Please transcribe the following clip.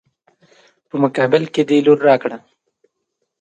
په مقابل کې د لور راکړه.